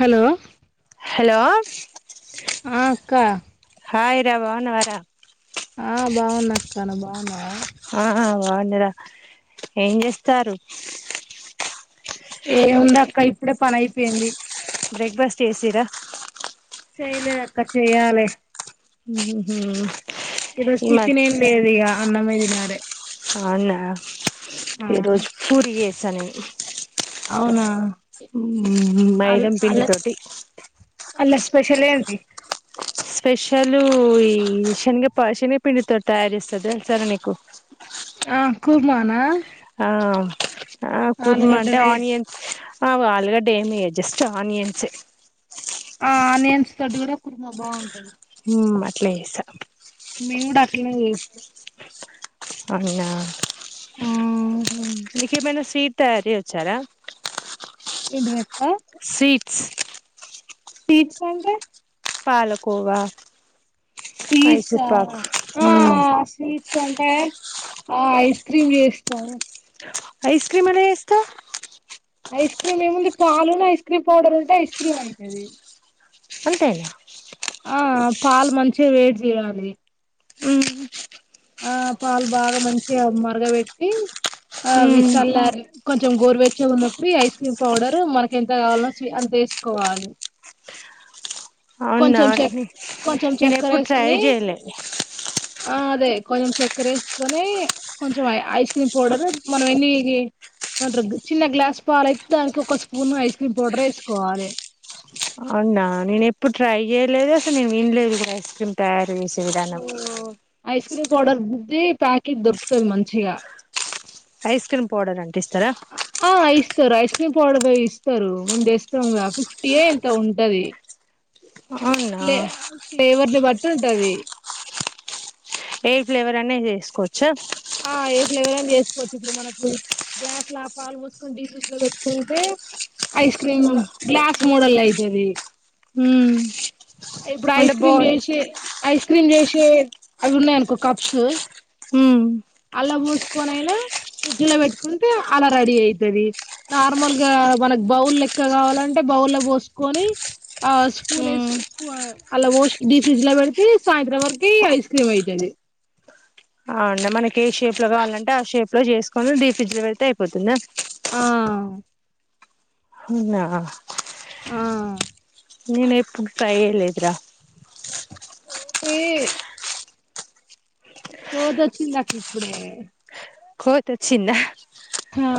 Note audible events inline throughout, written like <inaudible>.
Hello hello ఆ అక్కా <unintelligible> బాన్నవరా క నువ్ బాన్నవా ఆ బాగుండరా ఏం జేస్తారు. ఏముందక్క ఇప్పుడే పనైపెయ్ంది. బ్రేక్బాస్ చేసిర్ర. చెయ్లే అక్క చెయ్యాలె. మ్ ఉహూ ఇ రోజ్ టిఫినేం లేదిగ. అన్నమే దినారె. ఔనా ఈ రోజు పూరి జేసానె. ఔనా మ్ మైదం పిండితోటి అల్ల స్పెషలేంది స్పెషలు ఈ శెన్గ ప శెనగపిండితొ టయార్జేస్తదె <unintelligible> ఆ కూర్మానా ఆ ఆ కుర్మ అంటే ఆలుగడ్డలే ఆనియన్స్ ఆ ఆలుగడ్డ ఏమియ జస్ట్ ఆనియన్స్ ఆ నేన్స్ దొడ్డుగ కూడా కుర్మబా ఉ హ అట్లేసా మేము కూడా అట్లనే చేస్తాం పర్యా ఆ ఏమైనా స్వీట్ తయారీ వచ్చారా ఏది వప్పా సి సీట్ సంట పాలకోవా మైసూర్ స్వీట్స్రా పాక్ మ్మ్ స్వీట్స్ అంటే ఆ ఐస్ క్రీమ్ చేస్తాను ఆఐస్క్రీమ్ అలా ఎస్ కా ఐస్ క్రీమ్ ఏముంది పాలును ఐస్ క్రీమ్ పౌడర్ ఉంటే ఐస్ క్రీమ్ అవుతుంది అంతంతనా పాలు మంచిగా వేట్ చేయాలి ఆ పాలు బాగా మంచిగా మరగబెట్టి ఆ మ్మ్ విసల్ కొంచెం గోరువెచ్చే ఉన్నప్పుడు ఐస్ క్రీమ్ పౌడరు మనకి ఎంత కావాలో అంత వేసుకోవాలి అవును కొంచెం చె అవు కొంచెం నేను చక్కెర ఎప్పుడు ట్రై వేసుకొని చేయలే ఆ అదే కొంచెం చక్కెర వేసుకొని కొంచెంఐ ఐస్ క్రీమ్ పౌడర్ మనం ఎన్ని చిన్న గ్లాస్ పాలయితే దానికి ఒక స్పూన్ ఐస్ క్రీమ్ పౌడర్ వేసుకోవాలి అవున్నా నేను ఎప్పుడు ట్రై చేయలేదు అసలు నేను వినలేదు ఇ ఐస్ క్రీమ్ తయారు చేసి వి విధానం ఐస్ క్రీమ్ పౌడర్ దది ప్యాకెట్ దొరుకుతంది మంచిగా ఐస్ క్రీమ్ పౌడర్ అంట ఇస్తారా పక్ని పడ పో ఇస్తారు మేము తెస్తాంగా ఫిఫ్టీయ ఇంత ఉంటది అవునా ఫ్లే ఫ్లేవర్ ని బ అ ఉంటది ఏ ఫ్లేవర్ అనే చేసుకోవచ్చా ఆ ఏ ఫ్లేవర్ అని చేసుకోవచ్చు ఇప్పుడు మనకు గ్యాస్ లో ఆ పాలు మూసుకొని డీజస్ లో పెట్టుకుంటే ఐస్ క్రీమ్ మ్మ్ గ్లాస్ మోడల్ అతేది మ్మ్ ఇప్పుడు అంటే ఐస్ క్రీమ్ బౌల్ చేసి ఐస్ క్రీమ్ క్రీమ్ చేసి అవి ఉన్నాయినుకో కప్స్ హ అలా పోసుకొని అయినా ఫ్రిడ్జ్ లో పెట్టుకుంటే అలా రెడీ అవుతుది నార్మల్ గా మనకు బౌల్ లెక్క కావాలంటే బౌల్ లో పోసుకొని ఆ స్పూన్ మ్మ్ వేసుక అలా వాష్ డీ ఫ్రిడ్జ్ లో పెడితే సాయంత్రం వరకి ఐస్ క్రీమ్ అవుతుంది అవు ఉండి మన ఏ షేప్ లో కావాలంటే ఆ షేప్ ట్ లో చేసుకొని డీ ఫ్రిడ్జ్లో పెడ్తే అయిపోతుందా ఆ ఉనా ఆ నేను ఎప్పుకాయేలేదురా ఊపే సోదొచ్చిందక ఇప్పుడే కోతొచ్చిందా ఆ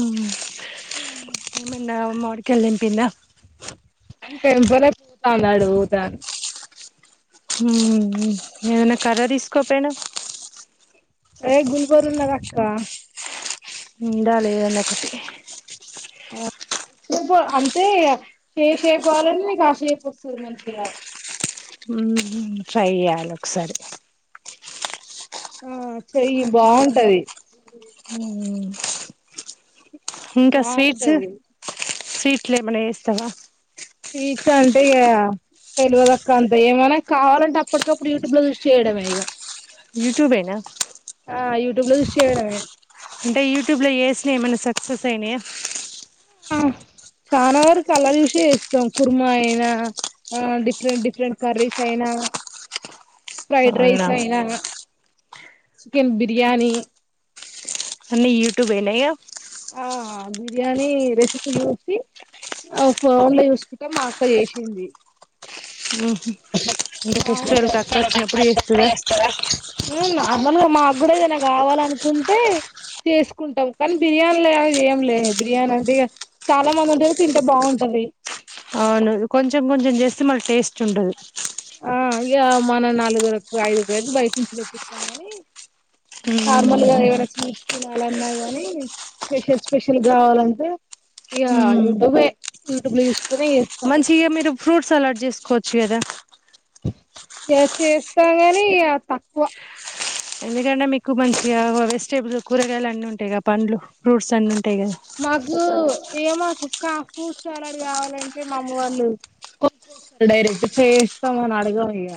మ్మ్ మ్మ్ మిన్నా మావిడికాల్ తెంపింద టెంపలే పూతాన్నాడుతాన్ మ్మ్ ఏదనా కర్ర తీసుకోపొయినా ఏ గుల్బరున్నదక్క ఉందా లేదా నకుటి అంతే ఇగ ఏ షేపు గావాలంటే నీకు ఆ షేపు వస్తుది మంచిగా మ్మ్ ట్రై జైయాలి ఒకసారి ఆ చెయ్యి బాగుంటది మ్మ్ ఇంకా స్వీట్స్ బాగుంటది సీట్లేమన జేస్తావా ఫీచ్ అంటే ఇగ తెలువదక్క అంత ఏమనా కావాలంటే అప్పటికప్పుడు యూట్యూబ్ లో చూసి చేయడమే ఇగ యూట్యూబేనా ట్యూబ్ లో జూస్ చేయడమే అంటే యూట్యూబ్ లో జేసినయ్ ఏమైనా సక్సెస్ అయినయా ఆ చానా వరకు అలా చూసే జేస్తాం కుర్మా అయినా డిఫరెంట్ డిఫరెంట్ కర్రీస్ అయినా. ఫ్రైడ్ అవునా రైస్ అయినా చికెన్ బిర్యానీ అన్నీ యూట్యూబ్ అయినాయా ఆ బిర్యానీ రెసిపీ చూసి ఆ ఫోన్ లో చూసుకుంటా మా అక్క జేసింది ఊహు ఇంక ఫెస్టివల్ కక్కచ్చినప్పుడు చేస్తుదా <unintelligible> మాగ్గూడ ఏదనా కావాలనుకుంటే చేసుకుంటాం కానీ బిర్యానీలగలే జెయంలే బిర్యానీ అంటే ఇగ చాలా మందుంటది తింటే బాగుంటది అవును కొంచెం కొంచెం చేస్తే మళ్ళ టేస్ట్ ఉండదు ఆ ఇగ మనం నలుగురకు ఐదుగురైతే బయట నుంచి తెప్పిత్తం గనీ నార్మల్గా ఏవన స్వీట్స్ తిన అలన్నా గాని స్పెషల్ స్పెషల్ గావాలంటే ఇగా యూట్యూబే యూట్యూబ్లో జూస్ మంచిగా మీరు ఫ్రూట్ సలాడ్ జేసుకోచ్ చేదా ఎ చేస్తా కాని తక్కువ ఎందుకంటే మీకు మంచిగా వెజిటేబుల్స్ కూరగాయలు అన్ని ఉంటాయి గా పండ్లు ఫ్రూట్స్ అన్ని ఉంటాయి కదా మాకు ఇగ మాకు కా ఫ్రూట్స్ సలాడ్ కావాలంటే మా అమ్మ వాళ్ళు కొ <inaudible> డైరెక్ట్ చేయిస్తాము అని అడగము ఇగ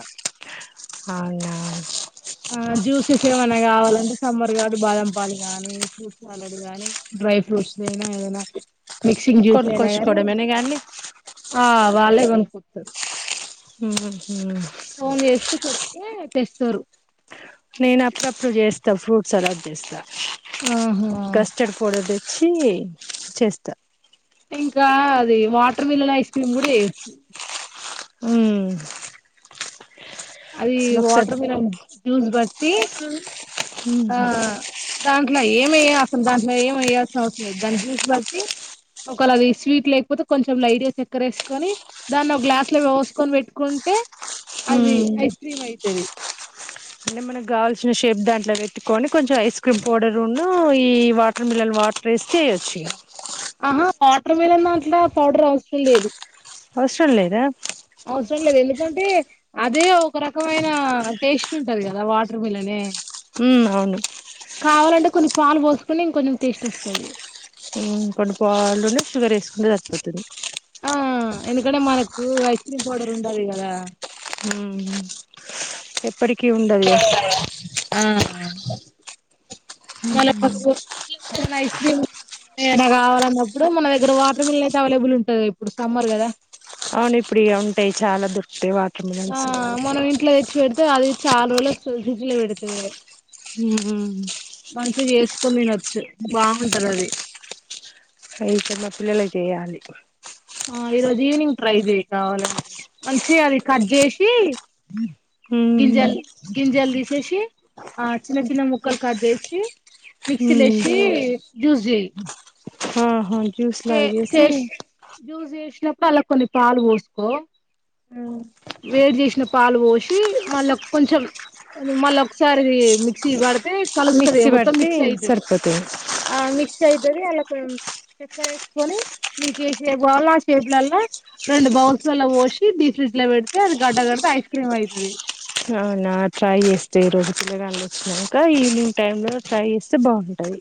అవునా ఆ జ్యూసెస్ ఏమైన్నా కావాలంటే సమ్మర్ కాబట్టి బాదం పాలు గానీ ఫ్రూట్స్ సలాడ్ గాని డ్రై ఫ్రూట్స్ అయినా ఏదైనా మిక్సింగ్ జ్యూస్ అయినా గాని కొనుక్కొచ్చుకోవడమేనే కానీ ఆ వాళ్ళే కొను ఊ ఫోన్ చేస్తే చెప్తే తెస్తారు నేను అప్పుడప్పుడు చేస్తా ఫ్రూట్స్ సలాడ్ చేస్తా ఆహా కస్టర్డ్ పౌడర్ దే తేచ్చి చేస్తా ఇంకా అది వాటర్ మిలన్ ఐస్ క్రీమ్ కూడా చెయ్యొచ్చు ఊహు అది వాటర్ మిలన్ జ్యూస్ బట్టి జి ఆ దాంట్లో ఎయే ఏమయ్య అసలు దాంట్లో ఏమి వెయ్యాల్సిన అవసరం లేదు దాన్ని జ్యూస్ బట్టి ఒకల అది స్వీట్ లేకపోతే కొంచెం లైట్ గా గ చేక్కర వేసుకొని దాన్ని ఒక గ్లాస్ లో పోసుకొని పెట్టుకుంటే అది ఉమ్ ఐస్ క్రీమ్ అయితది మనకి కావల్సిన షేప్ దాంట్లో పెట్టుకొని కొంచెం ఐస్ క్రీమ్ పౌడర్ వును ఈ వాటర్ మిల్న్ వాటర్ వేస్తే చేయొచ్చు ఆహా వాటర్ వాటర్ మిలన్ దాంట్లో పౌడర్ అవసరం లేదు అవసరం లేదా అవసరం లేదు ఎందుకంటే అదే ఒక రకమైన టేస్ట్ ఉంటది కదా వాటర్ మిల్ నే ఊ అవును కొన్ని పాలు పోసుకుకొని ఇంకా కొంచెం టేస్ట్ వస్తది కొన్ని పాలను షుగర్ వేసుకుంటే సరిపోతాది ఆ ఎందుకంటే మనకు ఐస్ క్రీమ్ పౌడర్ ఉంటాది కదా ఊహు ఎప్పటికి ఉండదు గా ఆ మ పసుపు ఐస్ క్రీమ్ ఏదన్నా కావాలన్నప్పుడు మన దగ్గర వాటర్ మిల్ అయితే అవైలబుల్ ఉంటది గా ఇప్పుడు సమ్మర్ కదా అవును ఇప్పుడు ఇగా ఉంటాయి చాలా దొరుకుతాయి వాటర్ మిలన్ ఆ <unintelligible> మనం ఇంట్లో తెచ్చి పెడితే అది చాలారోజులకి డి ఫ్రిడ్జ్ లో పెడతాము ఇగ ఊహు కొ తినొచ్చు బాగుంటుంది అది అయితె మా పిల్లలె చేయాలి. ఆ ఈ రోజు ఈవినింగ్ ట్రై చెయ్ కావాలంటె మంచి అది కట్జేసి. ఉమ్ గింజల్ గింజల్ తిశేషి. ఆ చిన్న చిన్న ముక్కల్ కట్జె చ్చి మిక్సి లేసి జ్యుజెయ్ ఆహ చే చేస్ జూస్ చేస్న ప్పాల కొన్ని పాలు పోస్కో వేడి జేస్న పాలు పోసి మళ్ళ కొంచెం, మళ్ళ ఒకసారి మిక్సీ వడ తె కలుస్తదిగ మిక్సీ మొత్తం పడితే మిక్సి ఐతె, సరిపోతది ఆ మిక్సై జరి అలకుం చక్కరేస్కొని నీకెశె వోల షేప్లల్ల, రెండు బౌల్స్ వల్ల పోసి ది ఫ్రిడ్జ్ లో పె తె అది గడ్డ గడ్తే ఐస్ క్రీమ్ ఐతది. అవునా ట్రై చేస్ట ఇరోజు పిల్లగాళ్ళు వచ్చ్నాంక ఈవినింగ్ టైమ్ లో ట్రై చేస్తే బావుంటయి.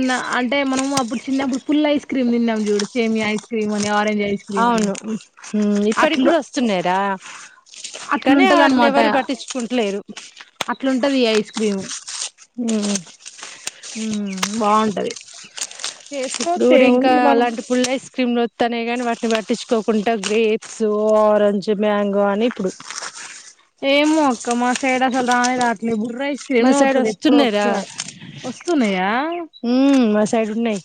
న్న అంటే మనం అప్పుడు చిన్నప్పుడు ఫుల్లై ఐస్ క్రీమ్ తిన్నాం చూడు సేమ్య ఐస్ క్రీమ్ అన్ అవును, ఉ ఇప్పటికి అట్లు కూడా వస్తున్నయ్ ర. అట్లుంటది అన్మాట, పట్టించుకుంటలేరు అట్లుంటది ఐ క్రిమ్ ఉ బావుంటది. ఇప్పుడు ఉడింకా అలాంటి పుల్ ఐస్ క్రీమ్లు నొత్తనాయి గనీ వాట్ని వ పట్టించుకోకుంట గ్రేప్స్, ఆరెంజ్, మ్యాంగో అని ఇప్పుడు ఏమో అక్క మా సైడ్ అసలు రానే రాట్లే ఇబుడు ప్పుడొ ఐస్ మా క్రీమో సైడ్ ఒత్తది ఎప్పుడో వస్తున్నాయిరా ఒకసారి వస్తున్నయా. ఉమ్ మా సైడ్ ఉన్నాయి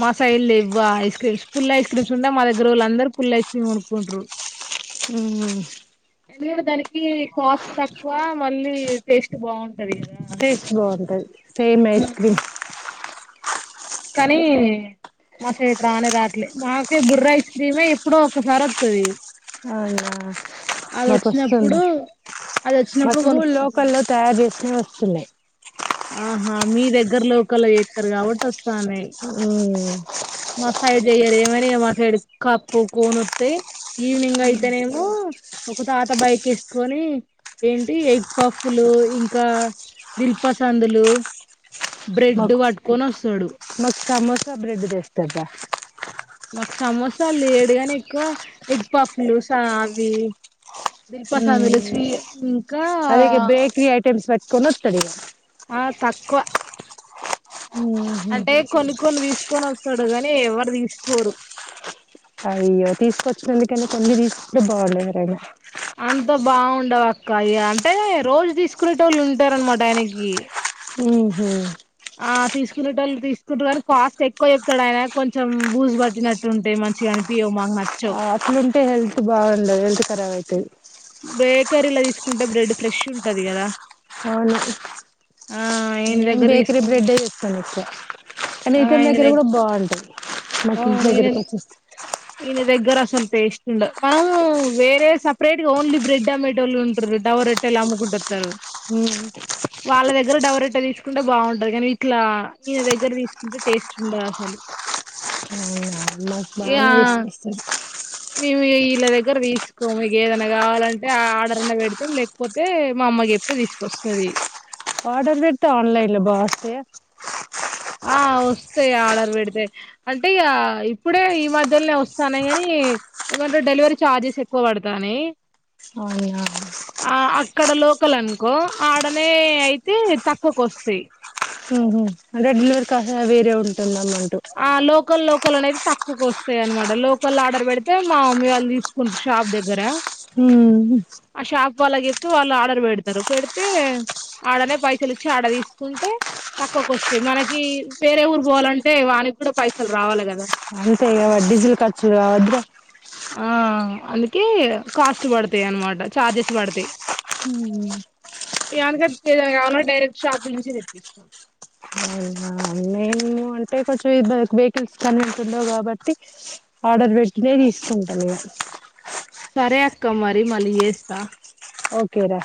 మా సైల్లు లెవ్యు, ఆ ఐస్ క్రీమ్స్ పుల్లై ఐస్ క్రీమ్స్ ఉన్నా మాదగ్గరొళ్ళందరూ పుల్లై ఐస్ క్రీమ్ కొనుక్కుంట్రు. ఉ మీన్ దానికి కాస్ట్ తక్కువ మళ్ళీ టేస్ట్ బా టేస్ట్ బాఉంటది సేమ్ ఐస్ క్రీమ్ కానీ మా సైడ్ రానే రాట్లే మాకే బుర్రైస్ క్రీమే ఎప్పుడో ఒకసారి వత్తది. అవున అది మాకోస్సుంది, వచ్చినప్పుడు అది వచ్చినప్పుడు మాకు కొనుక్కుంటాం ఊలోకల్లో తయారు చేస్నవి. సున్నయ్ ఆహా మీ దగ్గర లోకల్లొ ఎత్తర్ కాబట్టి వస్ మా హు సైడ్ చెయ్యరు ఏవనిగ మా సైడ్ కప్పు కోను వత్తయ్, ఈవినింగ్ ఐతేనేమో ఒక తాత బైక్ కేస్కొని ఏంటి ఎగ్ పఫ్ లు ఇకా దిల్ పసందులు బ్రెడ్ వట్టుకొని వస్తడు త్త బ్రెడ్ తెస్తద్దా మాకు సమోస లేడుగానే ఎక్కువ ఎగ్ పఫ్ లు సా అవి దిల్పసంద్ లు ఉమ్ స్వీ ఇంకా కొనొత్త దిగ ఆ తక్కువ ఊహూ కొని తీసుకొని వస్తాడో గాని ఎవ్వరు తీసుకోరు అయ్యో తీసుకొచ్చినందుకైనా కొన్ని తీసుకుంటే బావుండేదే అంతొ బావుండవక్క అయి అంటే రోజు తీసుకునేటోళ్లు ఉంటారనమాట ఆయనకి ఊహూ ఆ తీసుకునేటోళ్ళు తీసుకుంటారు గానీ కాస్ట్ ఎక్కువ చెప్తాడు ఆయన కొంచెం బూజు పట్టినట్టు ఉంటాయి మంచిగా అనిపియ్యవ్ మాకు న ఆ అట్లున్ టే హెల్త్ బావుండదు హెల్త్ ఖరాబ్ ఐతది బేకరీల తీసుకుంటే బ్రెడ్ ఫ్రెష్ ఉంటది కదా అవును ఆ ఈయన నేను దగ్గర బేకరీ తీసుకు బ్రెడ్డే తీసుకోనొచ్చా కానీ ఆ ఇతని ఈయన దగ్గర దగ్ కూడ బావుంటాది నాకు ఇంటి అవును ఈయన దగ్గరకొచ్చిస్త్ ఈయన దగ్గర అసలు టేస్ట్ ఉండ మనము వేరే సపరేట్ గా ఓన్లీ బ్రెడ్ అమ్మేటోళ్ళు ఉంటారు డవ రొట్టెలు అమ్ముకుంటొత్తరు ఉమ్మ్ వాళ్ళ దగ్గర డవరెట్ట తీసుకుంటే బావుంటది కానీ ఇట్లా ఈయన దగ్గర తీసుకుంటే టేస్ట్ ఉండదు అసలు అవునా మాకు బానే ఇగ తీసుకొస్తది మేము ఇయ వీళ్ళ దగ్గర తీసుకోము మీకేదన్నా కావాలంటే ఆర్డర్ అన్న పెడతాం లేకపోతే మా అమ్మకు చెప్తే తీసుకొస్తది అర్డర్ పెడితే అన్లైన్ లో బా ఒస్తయా ఆ వస్తాయి ఆర్డర్ పెడితే అంటే ఇగ ఇప్పుడే ఈ మధ్యలోనే వస్తాన్నాయి కానీ ఏమంటే డెలివరీ ఛార్జెస్ ఎక్కువ పడతాన్నాయ్ ఆ యాస్ ఆ అక్కడ లోకల్ అనుకో ఆడనే అయితే తక్కువకు వస్తాయి అదే డెలివరీ <unintelligible> వేరే ఉంటుందనమా ఆ లోకల్ లో కల్ అనేవి తక్కువకొస్తాయి అనమాట లోకల్ ఆర్డర్ పెడితే మా అమ్మీ వాళ్ళు తీసుకున్ షాప్ దగ్గర ఉమ్ హు తు వాళ్ళు ఆర్డర్ పెడతారు పెడితే ఆడనే పైసలు ఇచ్చి ఆడ తీసుకుంటే తక్కువకు వస్తాయి మనకి వేరే ఊరు పోవాలంటే వాళ్ ళ్ళక్ కూడా పైసలు రావాలి కదా అంతేగా వాడి డీజిల్ ఖర్చు రావద్దా ఆ అందుకే కాస్ట్ పడతాయి అనమాట చార్జెస్ పడతాయి ఉమ్ ఏ అనుకద్ ఏదైనా కావలన్నా డైరెక్ట్ షాప్ నుంచి తెప్పిస్తా అవునా మేము అంటే కొంచెం ఇబ్ వెహికల్స్ కన్విన్స్ ఉండవు కాబట్టి ఆర్డర్ పెట్టినయే తీసుకుంటాను నేను సరే అక్క మరి మళ్ళీ చేస్తా ఓకే రా